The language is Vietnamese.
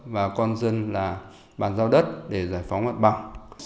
và con dân là bàn giao đất để giải phóng mặt bằng